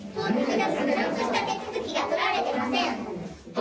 ちゃんとした手続きが取られてません。